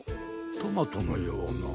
トマトのような。